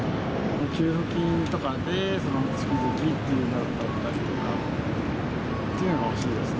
給付金とかで月々っていうのだったりとかというのが欲しいですね。